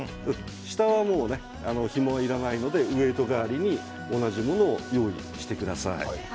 下は、ひもはいらないのでウエイト代わりに同じものを用意してください。